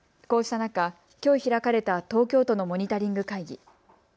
こうした中、きょう開かれた東京都のモニタリング会議。